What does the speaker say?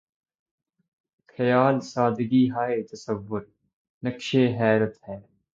خیال سادگی ہائے تصور‘ نقشِ حیرت ہے